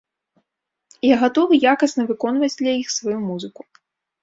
Я гатовы якасна выконваць для іх сваю музыку.